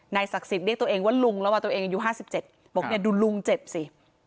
ศักดิ์สิทธิ์เรียกตัวเองว่าลุงแล้วว่าตัวเองอายุ๕๗บอกเนี่ยดูลุงเจ็บสิ